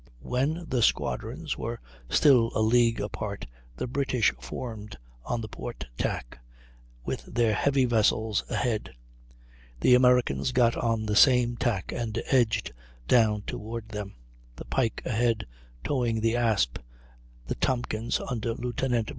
When the squadrons were still a league apart the British formed on the port tack, with their heavy vessels ahead; the Americans got on the same tack and edged down toward them, the Pike ahead, towing the Asp; the Tompkins, under Lieut.